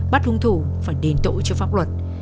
bắt hung thủ và đền tội cho pháp luật